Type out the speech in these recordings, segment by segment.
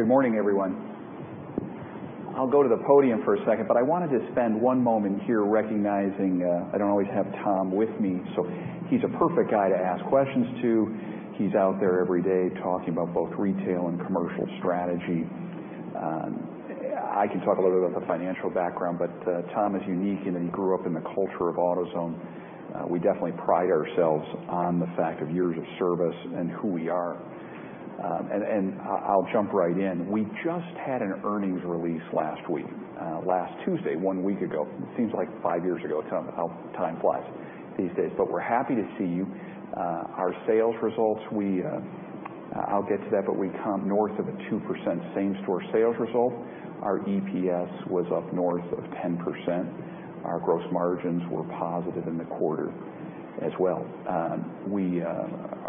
Good morning, everyone. I'll go to the podium for a second, but I wanted to spend one moment here recognizing, I don't always have Tom with me, so he's a perfect guy to ask questions to. He's out there every day talking about both retail and commercial strategy. I can talk a little bit about the financial background, but Tom is unique in that he grew up in the culture of AutoZone. We definitely pride ourselves on the fact of years of service and who we are. I'll jump right in. We just had an earnings release last week, last Tuesday, one week ago. It seems like five years ago. How time flies these days. We're happy to see you. Our sales results, I'll get to that, but we come north of a 2% same-store sales result. Our EPS was up north of 10%. Our gross margins were positive in the quarter as well.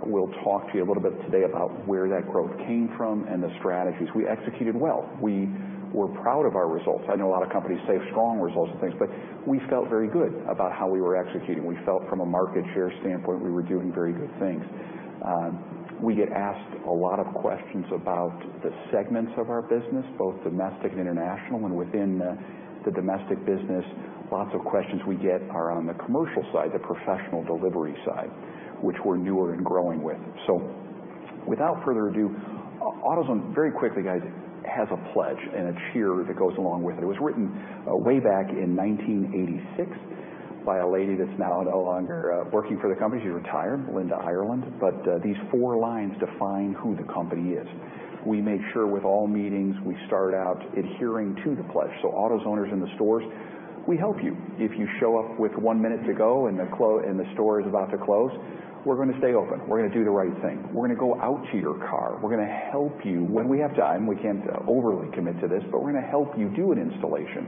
We'll talk to you a little bit today about where that growth came from and the strategies. We executed well. We're proud of our results. I know a lot of companies say strong results and things, but we felt very good about how we were executing. We felt from a market share standpoint, we were doing very good things. We get asked a lot of questions about the segments of our business, both domestic and international, and within the domestic business, lots of questions we get are on the commercial side, the professional delivery side, which we're newer and growing with. Without further ado, AutoZone, very quickly, guys, has a pledge and a cheer that goes along with it. It was written way back in 1986 by a lady that's now no longer working for the company. She retired, Linda Ireland. These four lines define who the company is. We make sure with all meetings, we start out adhering to the pledge. AutoZoners in the stores, we help you. If you show up with one minute to go and the store is about to close, we're going to stay open. We're going to do the right thing. We're going to go out to your car. We're going to help you when we have time. We can't overly commit to this, but we're going to help you do an installation.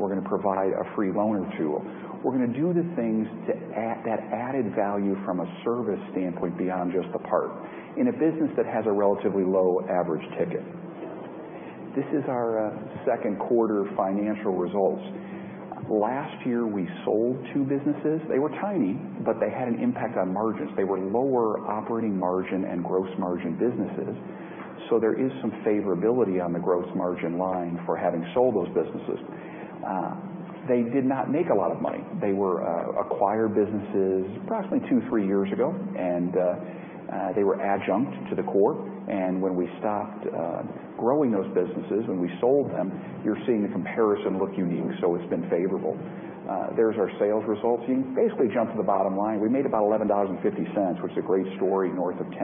We're going to provide a free loaner tool. We're going to do the things, that added value from a service standpoint beyond just the part in a business that has a relatively low average ticket. This is our second quarter financial results. Last year, we sold two businesses. They were tiny, but they had an impact on margins. They were lower operating margin and gross margin businesses. There is some favorability on the gross margin line for having sold those businesses. They did not make a lot of money. They were acquired businesses approximately two, three years ago, and they were adjunct to the core. When we stopped growing those businesses, when we sold them, you're seeing the comparison look unique. It's been favorable. There's our sales results. You can basically jump to the bottom line. We made about $11.50, which is a great story, north of 10%.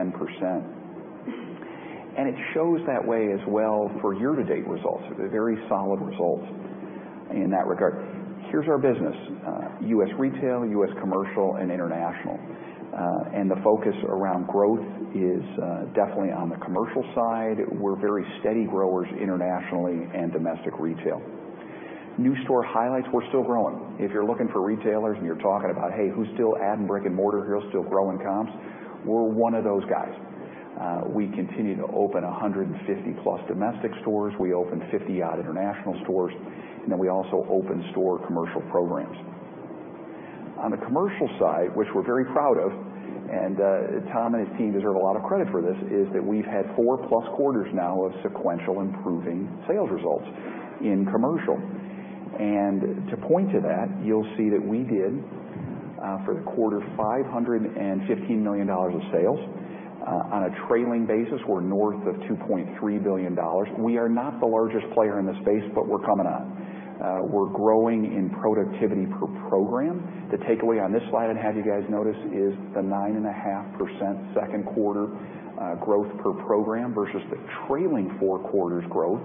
It shows that way as well for year-to-date results. They're very solid results in that regard. Here's our business, U.S. retail, U.S. commercial, and international. The focus around growth is definitely on the commercial side. We're very steady growers internationally and domestic retail. New store highlights, we're still growing. If you're looking for retailers and you're talking about, "Hey, who's still adding brick and mortar here, who's still growing comps?" We're one of those guys. We continue to open 150+ domestic stores. We open 50-odd international stores. We also open store Commercial programs. On the Commercial side, which we're very proud of, and Tom and his team deserve a lot of credit for this, is that we've had 4+ quarters now of sequential improving sales results in Commercial. To point to that, you'll see that we did, for the quarter, $515 million of sales. On a trailing basis, we're north of $2.3 billion. We are not the largest player in the space, but we're coming on. We're growing in productivity per program. The takeaway on this slide I'd have you guys notice is the 9.5% second quarter growth per program versus the trailing 4 quarters growth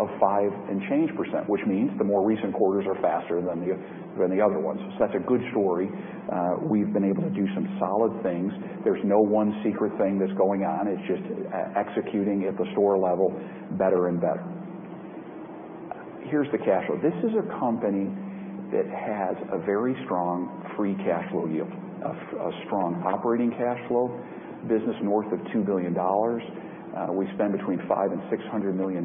of 5 and change percent, which means the more recent quarters are faster than the other ones. That's a good story. We've been able to do some solid things. There's no one secret thing that's going on. It's just executing at the store level better and better. Here's the cash flow. This is a company that has a very strong free cash flow yield, a strong operating cash flow business north of $2 billion. We spend between $500 million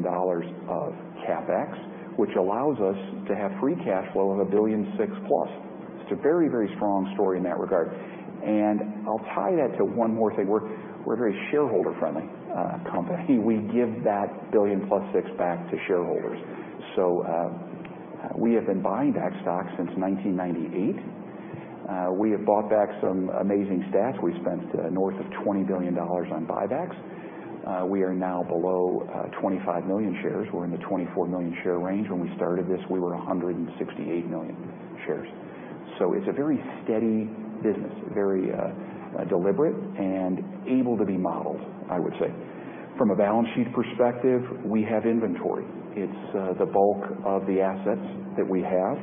and $600 million of CapEx, which allows us to have free cash flow of $1.6 billion+. It's a very, very strong story in that regard. I'll tie that to one more thing. We're a very shareholder-friendly company. We give that $1.6 billion back to shareholders. We have been buying back stock since 1998. We have bought back some amazing stats. We spent north of $20 billion on buybacks. We are now below 25 million shares. We're in the 24 million share range. When we started this, we were 168 million shares. It's a very steady business, very deliberate and able to be modeled, I would say. From a balance sheet perspective, we have inventory. It's the bulk of the assets that we have.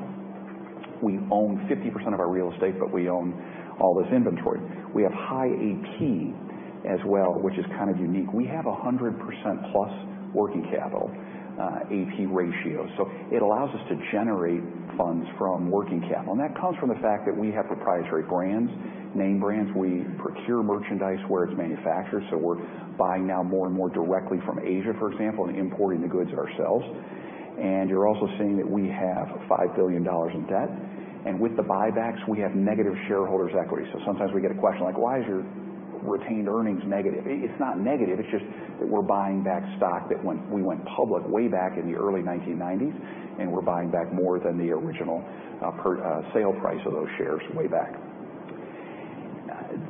We own 50% of our real estate, but we own all this inventory. We have high AP as well, which is kind of unique. We have 100%+ working capital AP ratio. It allows us to generate funds from working capital, and that comes from the fact that we have proprietary brands, name brands. We procure merchandise where it's manufactured. We're buying now more and more directly from Asia, for example, and importing the goods ourselves. You're also seeing that we have $5 billion in debt. With the buybacks, we have negative shareholders' equity. Sometimes we get a question like, "Why is your retained earnings negative?" It's not negative, it's just that we're buying back stock that when we went public way back in the early 1990s, and we're buying back more than the original per sale price of those shares way back.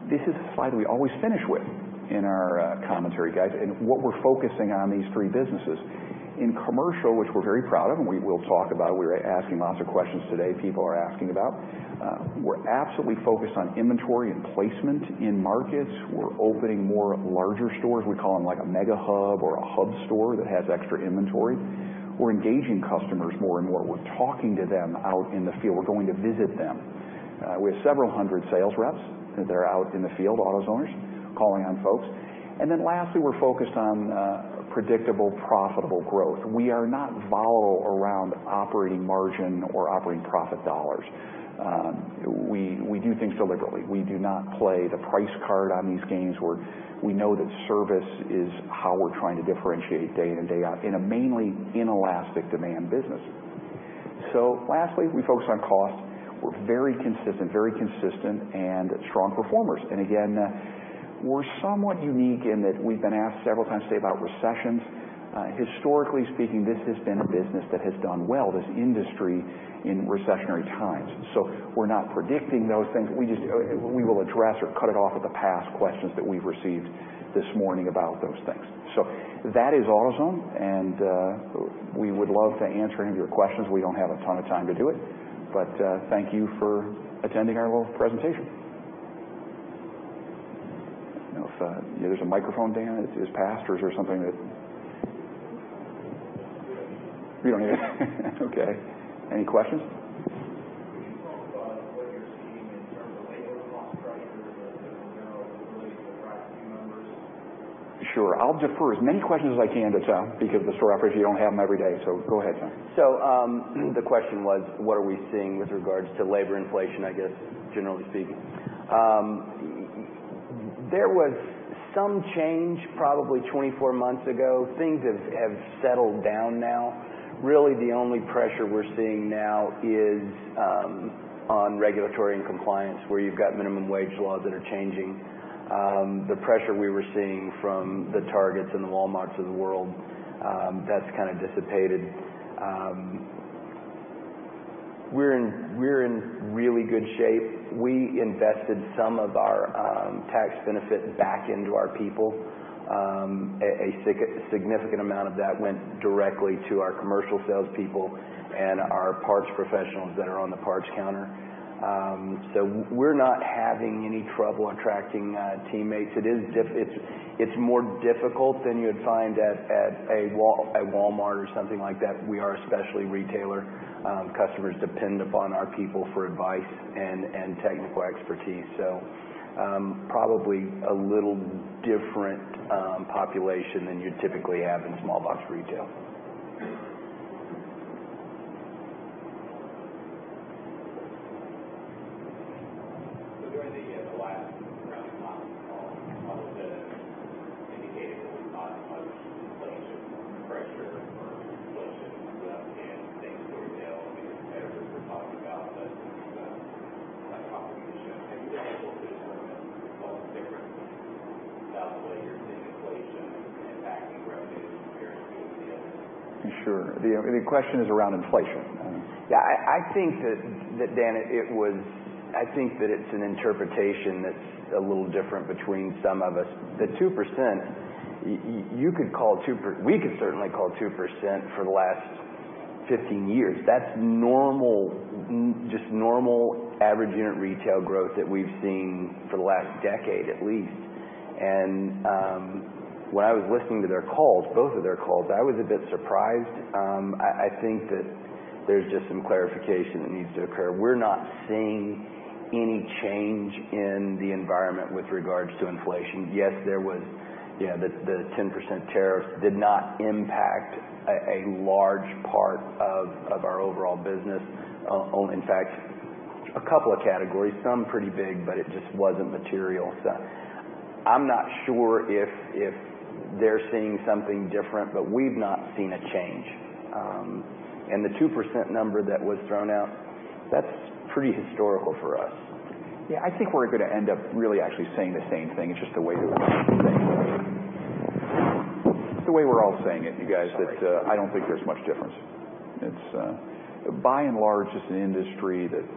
This is a slide we always finish with in our commentary, guys. What we're focusing on these three businesses. In Commercial, which we're very proud of, and we will talk about, we were asking lots of questions today, people are asking about. We're absolutely focused on inventory and placement in markets. We're opening more larger stores. We call them a mega hub or a hub store that has extra inventory. We're engaging customers more and more. We're talking to them out in the field. We're going to visit them. We have several hundred sales reps that are out in the field, AutoZoners, calling on folks. Lastly, we're focused on predictable, profitable growth. We are not volatile around operating margin or operating profit dollars. We do things deliberately. We do not play the price card on these games where we know that service is how we're trying to differentiate day in and day out in a mainly inelastic demand business. Lastly, we focus on cost. We're very consistent and strong performers. Again, we're somewhat unique in that we've been asked several times today about recessions. Historically speaking, this has been a business that has done well, this industry, in recessionary times. We're not predicting those things. We will address or cut it off at the pass questions that we've received this morning about those things. That is AutoZone, and we would love to answer any of your questions. We don't have a ton of time to do it. Thank you for attending our little presentation. There's a microphone, Dan. It just passed, or is there something that We don't need it. We don't need it. Okay. Any questions? Can you talk about what you're seeing in terms of labor cost pressures or general ability to attract new members? Sure. I'll defer as many questions as I can to Tom, because the store operators, you don't have them every day. Go ahead, Tom. The question was, what are we seeing with regards to labor inflation, I guess, generally speaking. There was some change probably 24 months ago. Things have settled down now. Really, the only pressure we're seeing now is on regulatory and compliance, where you've got minimum wage laws that are changing. The pressure we were seeing from the Target and the Walmart of the world, that's kind of dissipated. We're in really good shape. We invested some of our tax benefit back into our people. A significant amount of that went directly to our commercial salespeople and our parts professionals that are on the parts counter. We're not having any trouble attracting teammates. It's more difficult than you'd find at Walmart or something like that. We are a specialty retailer. Customers depend upon our people for advice and technical expertise. Probably a little different population than you'd typically have in small box retail. During the last earnings conference call, AutoZone indicated that we saw the most inflation pressure for inflation went up in same-store sales, and your competitors were talking about less of that competition. Have you been able to determine at all the difference about the way you're seeing inflation impacting revenues compared to the others? Sure. The question is around inflation. Yeah, I think that, Dan, I think that it's an interpretation that's a little different between some of us. The 2%, we could certainly call 2% for the last 15 years. That's just normal average unit retail growth that we've seen for the last decade at least. When I was listening to their calls, both of their calls, I was a bit surprised. I think that there's just some clarification that needs to occur. We're not seeing any change in the environment with regards to inflation. Yes, the 10% tariffs did not impact a large part of our overall business. In fact, a couple of categories, some pretty big, but it just wasn't material. I'm not sure if they're seeing something different, but we've not seen a change. The 2% number that was thrown out, that's pretty historical for us. Yeah, I think we're going to end up really actually saying the same thing. It's just the way that we're saying it. It's the way we're all saying it, you guys- Sorry I don't think there's much difference. By and large, it's an industry that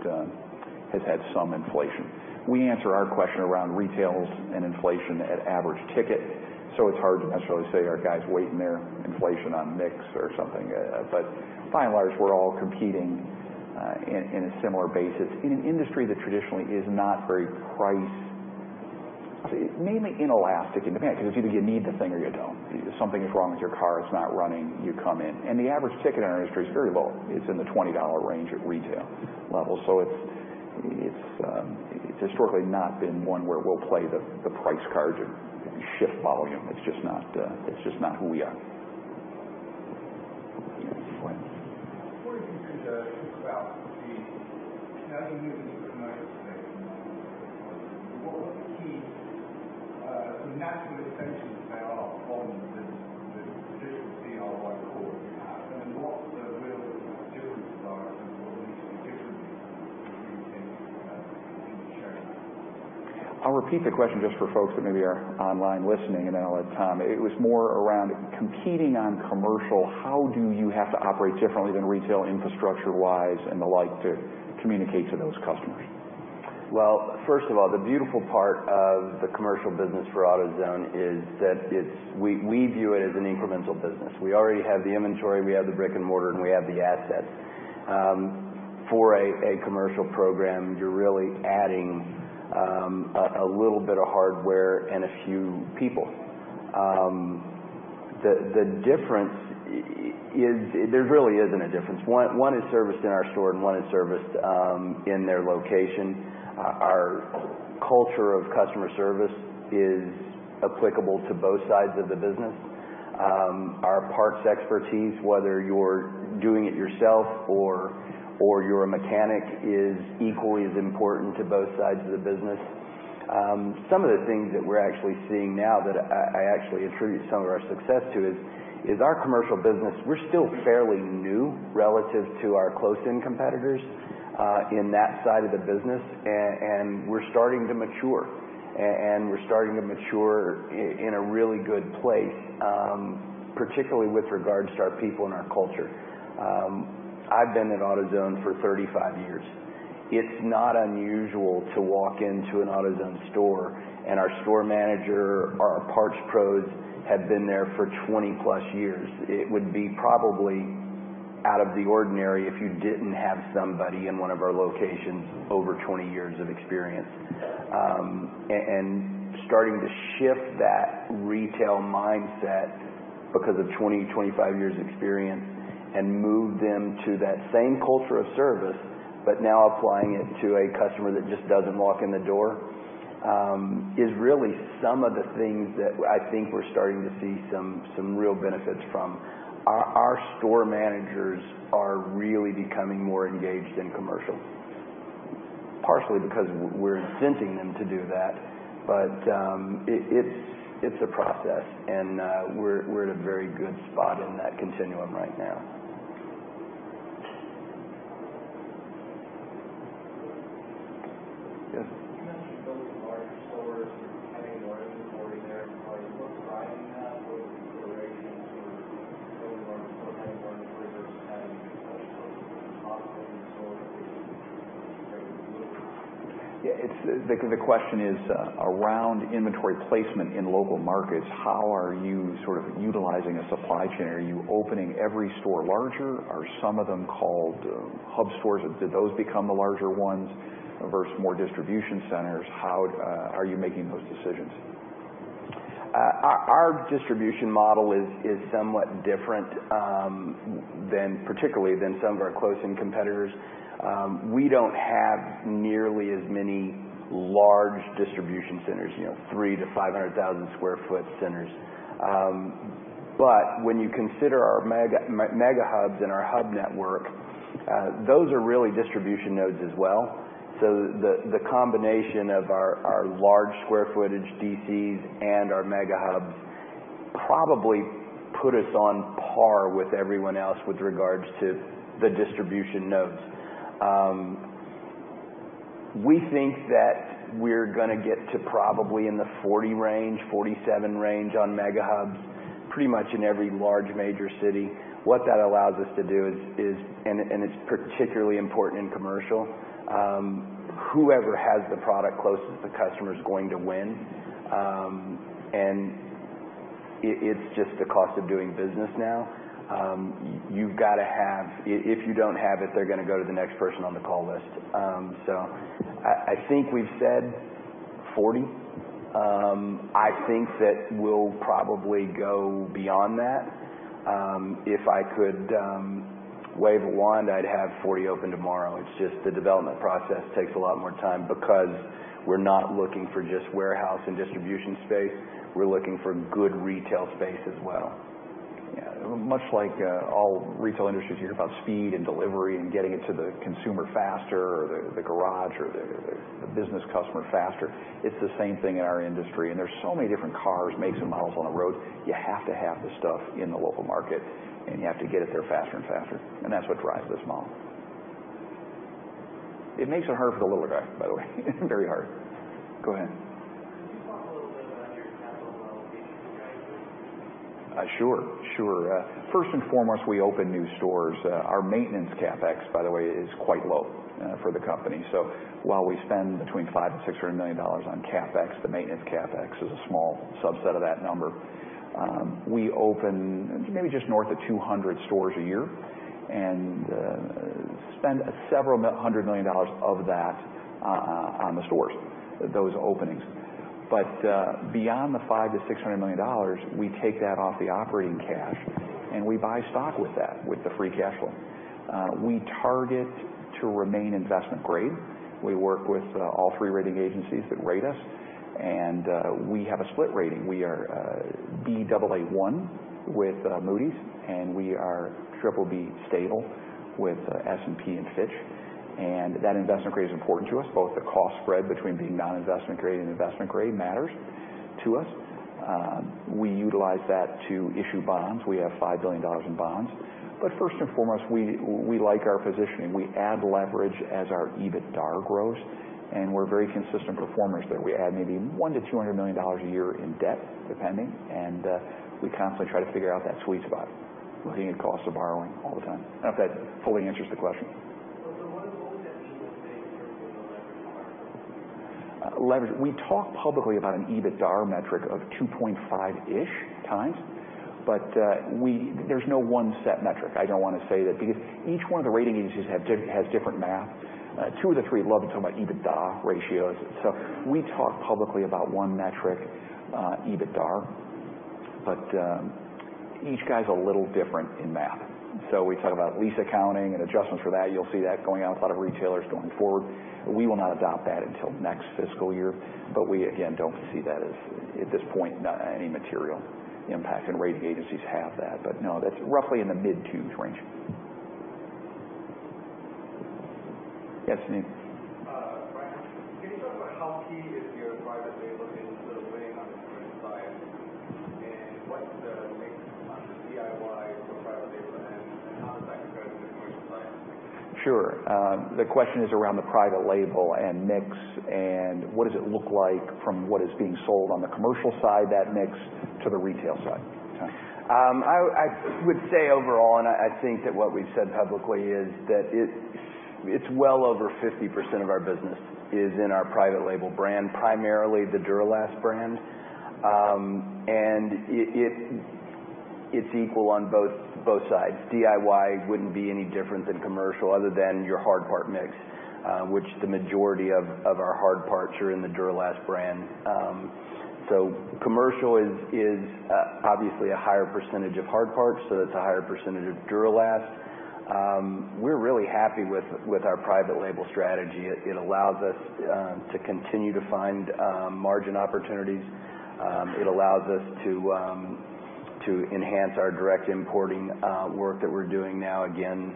has had some inflation. We answer our question around retails and inflation at average ticket, so it's hard to necessarily say our guys weigh in their inflation on mix or something. By and large, we're all competing in a similar basis in an industry that traditionally is not very price. It's mainly inelastic in demand because it's either you need the thing or you don't. Something is wrong with your car, it's not running, you come in. The average ticket in our industry is very low. It's in the $20 range at retail level. It's historically not been one where we'll play the price cards and shift volume. It's just not who we are. Yeah, go ahead. Could talk about the now that you're moving into commercial space and I'll repeat the question just for folks that maybe are online listening, and then I'll let Tom. It was more around competing on commercial. How do you have to operate differently than retail infrastructure-wise and the like to communicate to those customers? First of all, the beautiful part of the commercial business for AutoZone is that we view it as an incremental business. We already have the inventory, we have the brick and mortar, and we have the assets. For a commercial program, you're really adding a little bit of hardware and a few people. The difference is there really isn't a difference. One is serviced in our store and one is serviced in their location. Our culture of customer service is applicable to both sides of the business. Our parts expertise, whether you're doing it yourself or you're a mechanic, is equally as important to both sides of the business. Some of the things that we're actually seeing now that I actually attribute some of our success to is our commercial business, we're still fairly new relative to our close-in competitors in that side of the business. We're starting to mature, and we're starting to mature in a really good place, particularly with regards to our people and our culture. I've been at AutoZone for 35 years. It's not unusual to walk into an AutoZone store and our store manager, our parts pros have been there for 20-plus years. It would be probably out of the ordinary if you didn't have somebody in one of our locations over 20 years of experience. Starting to shift that retail mindset because of 20, 25 years experience and move them to that same culture of service, but now applying it to a customer that just doesn't walk in the door, is really some of the things that I think we're starting to see some real benefits from. Our store managers are really becoming more engaged in commercial. Partially because we're incenting them to do that, but it's a process and we're at a very good spot in that continuum right now. Yes. You mentioned building larger stores and having an auto inventory there and how you look to buy in that versus your regulations for building larger stores versus having professional The question is around inventory placement in local markets, how are you sort of utilizing a supply chain? Are you opening every store larger? Are some of them called hub stores? Do those become the larger ones versus more distribution centers? How are you making those decisions? Our distribution model is somewhat different, particularly than some of our close-in competitors. We don't have nearly as many large distribution centers, 3 to 500,000 square foot centers. When you consider our mega hubs and our hub network, those are really distribution nodes as well. The combination of our large square footage DCs and our mega hubs probably put us on par with everyone else with regards to the distribution nodes. We think that we're going to get to probably in the 40 range, 47 range on mega hubs, pretty much in every large major city. What that allows us to do is, and it's particularly important in commercial, whoever has the product closest to the customer is going to win. It's just the cost of doing business now. If you don't have it, they're going to go to the next person on the call list. I think we've said 40. I think that we'll probably go beyond that. If I could wave a wand, I'd have 40 open tomorrow. It's just the development process takes a lot more time because we're not looking for just warehouse and distribution space. We're looking for good retail space as well. Yeah, much like all retail industries, you hear about speed and delivery and getting it to the consumer faster or the garage or the business customer faster. It's the same thing in our industry. There's so many different cars, makes and models on the road. You have to have the stuff in the local market, and you have to get it there faster and faster, that's what drives this model. It makes it hard for the little guy, by the way. Very hard. Go ahead. Can you talk a little bit about your capital allocation strategy? Sure. First and foremost, we open new stores. Our maintenance CapEx, by the way, is quite low for the company. While we spend between $500 million and $600 million on CapEx, the maintenance CapEx is a small subset of that number. We open maybe just north of 200 stores a year and spend several hundred million dollars of that on the stores, those openings. Beyond the $500 million to $600 million, we take that off the operating cash and we buy stock with that, with the free cash flow. We target to remain investment grade. We work with all three rating agencies that rate us, and we have a split rating. We are Baa1 with Moody's, and we are BBB stable with S&P and Fitch. That investment grade is important to us. Both the cost spread between being non-investment grade and investment grade matters to us. We utilize that to issue bonds. We have $5 billion in bonds. First and foremost, we like our positioning. We add leverage as our EBITDA grows, and we're very consistent performers there. We add maybe $100 million to $200 million a year in debt, depending, and we constantly try to figure out that sweet spot, looking at cost of borrowing all the time. I don't know if that fully answers the question. What is the goal then each year with the leverage markup? We talk publicly about an EBITDA metric of 2.5-ish times, but there's no one set metric. I don't want to say that because each one of the rating agencies has different math. Two of the three love to talk about EBITDA ratios. We talk publicly about one metric, EBITDA, but each guy's a little different in math. We talk about lease accounting and adjustments for that. You'll see that going out with a lot of retailers going forward. We will not adopt that until next fiscal year. We, again, don't see that as, at this point, any material impact, and rating agencies have that. No, that's roughly in the mid-twos range. Yes. Brian, can you talk about how key is your private label in sort of winning on the commercial side? What's the mix on the DIY for private label and how does that compare to the commercial side? Sure. The question is around the private label and mix and what does it look like from what is being sold on the commercial side, that mix, to the retail side. I would say overall, and I think that what we've said publicly is that it's well over 50% of our business is in our private label brand, primarily the Duralast brand. It's equal on both sides. DIY wouldn't be any different than commercial other than your hard part mix, which the majority of our hard parts are in the Duralast brand. Commercial is obviously a higher percentage of hard parts, so it's a higher percentage of Duralast. We're really happy with our private label strategy. It allows us to continue to find margin opportunities. It allows us to enhance our direct importing work that we're doing now, again,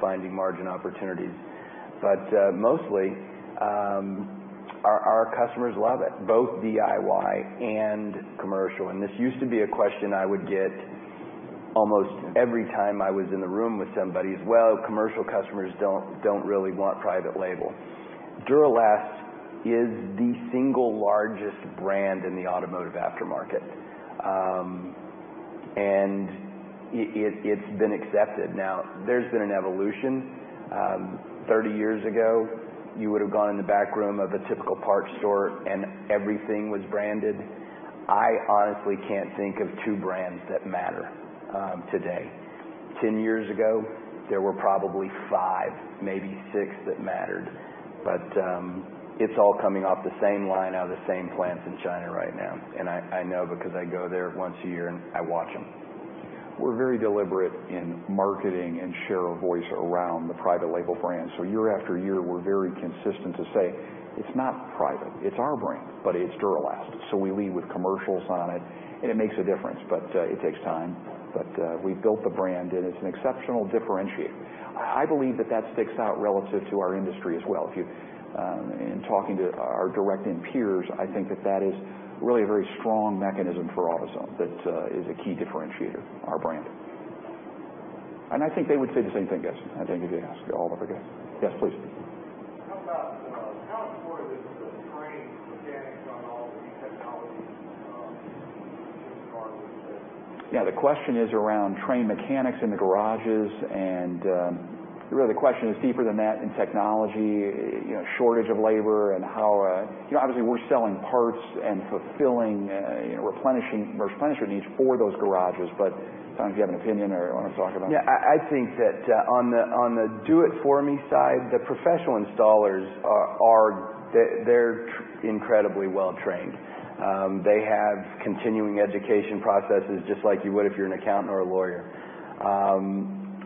finding margin opportunities. Mostly, our customers love it, both DIY and commercial. This used to be a question I would get almost every time I was in the room with somebody is, "Well, commercial customers don't really want private label." Duralast is the single largest brand in the automotive aftermarket. It's been accepted. Now, there's been an evolution. 30 years ago, you would've gone in the back room of a typical parts store, and everything was branded. I honestly can't think of two brands that matter today. 10 years ago, there were probably five, maybe six that mattered, but it's all coming off the same line out of the same plants in China right now. I know because I go there once a year, and I watch them. We're very deliberate in marketing and share of voice around the private label brand. Year after year, we're very consistent to say, "It's not private, it's our brand, but it's Duralast." We lead with commercials on it, and it makes a difference, but it takes time. We've built the brand, and it's an exceptional differentiator. I believe that that sticks out relative to our industry as well. In talking to our direct peers, I think that that is really a very strong mechanism for AutoZone that is a key differentiator, our branding. I think they would say the same thing, yes, I think if you ask all of our guests. Yes, please. How about how important is it to train mechanics on all of the technologies in cars? Yeah, the question is around trained mechanics in the garages and really the question is deeper than that in technology, shortage of labor and obviously, we're selling parts and fulfilling replenisher needs for those garages. Tom, do you have an opinion or want to talk about it? Yeah. I think that on the do it for me side, the professional installers, they're incredibly well-trained. They have continuing education processes just like you would if you're an accountant or a lawyer.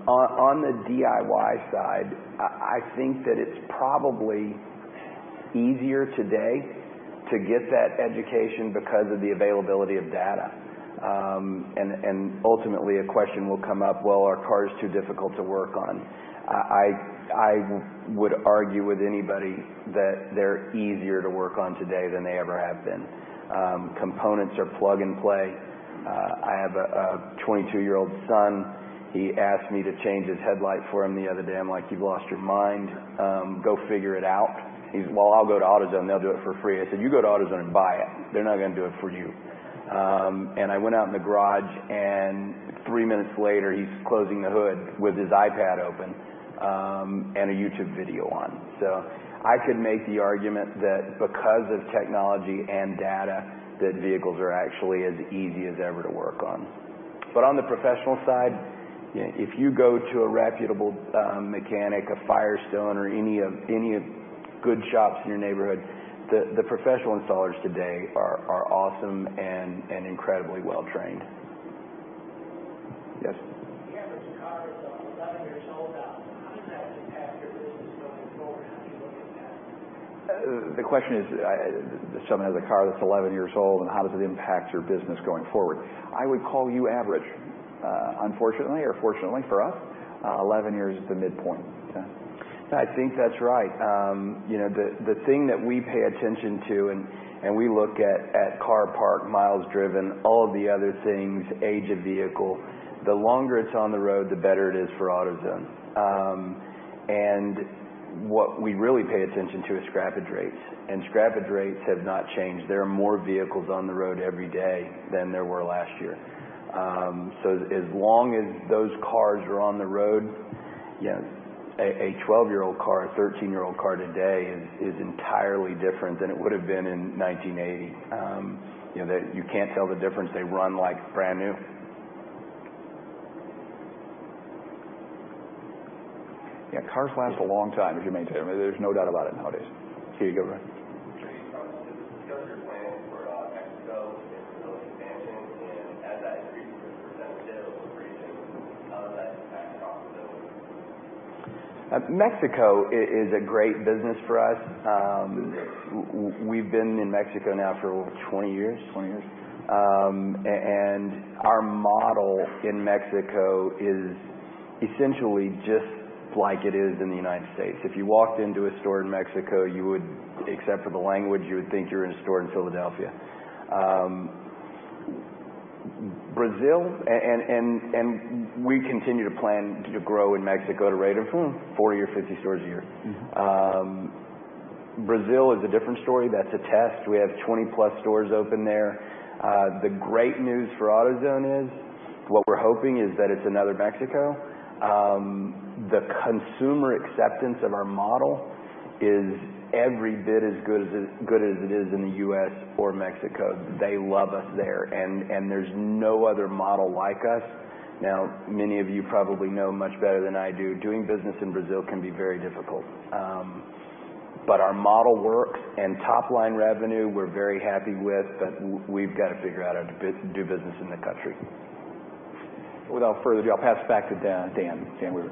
On the DIY side, I think that it's probably easier today to get that education because of the availability of data. Ultimately, a question will come up, "Well, are cars too difficult to work on?" I would argue with anybody that they're easier to work on today than they ever have been. Components are plug and play. I have a 22-year-old son. He asked me to change his headlight for him the other day. I'm like, "You've lost your mind. Go figure it out." He's, "Well, I'll go to AutoZone. They'll do it for free." I said, "You go to AutoZone and buy it. They're not going to do it for you." I went out in the garage, and three minutes later, he's closing the hood with his iPad open and a YouTube video on. I could make the argument that because of technology and data, that vehicles are actually as easy as ever to work on. On the professional side, if you go to a reputable mechanic, a Firestone or any good shops in your neighborhood, the professional installers today are awesome and incredibly well-trained. Yes. You have a car that's 11 years old now. How does that impact your business going forward? How do you look at that? The question is, someone has a car that's 11 years old. How does it impact your business going forward? I would call you average. Unfortunately or fortunately for us, 11 years is the midpoint. Yeah, I think that's right. The thing that we pay attention to, we look at car park, miles driven, all of the other things, age of vehicle, the longer it's on the road, the better it is for AutoZone. What we really pay attention to is scrappage rates. Scrappage rates have not changed. There are more vehicles on the road every day than there were last year. As long as those cars are on the road, a 12-year-old car, a 13-year-old car today is entirely different than it would have been in 1980. You can't tell the difference. They run like brand new. Yeah, cars last a long time if you maintain them. There's no doubt about it nowadays. Keith, go ahead. Can you discuss your plans for Mexico and Brazil expansion? As that increases percentage of operations, how does that impact profitability? Mexico is a great business for us. We've been in Mexico now for over 20 years. 20 years. Our model in Mexico is essentially just like it is in the U.S. If you walked into a store in Mexico, except for the language, you would think you're in a store in Philadelphia. We continue to plan to grow in Mexico at a rate of 40 or 50 stores a year. Brazil is a different story. That's a test. We have 20-plus stores open there. The great news for AutoZone is what we're hoping is that it's another Mexico. The consumer acceptance of our model is every bit as good as it is in the U.S. or Mexico. They love us there, and there's no other model like us. Now, many of you probably know much better than I do, doing business in Brazil can be very difficult. Our model works, and top-line revenue we're very happy with, but we've got to figure out how to do business in the country. Without further ado, I'll pass it back to Dan. Dan.